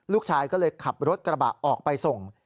ลูกชายก็เลยขับรถกระบะออกไปส่ง